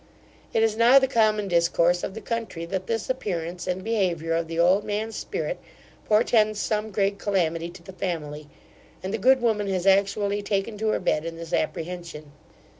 It is now the common discourse of the country, that this appearance and behaviour of the old man's spirit, portends some great calamity to the family, and the good woman has actually taken to her bed in this apprehension.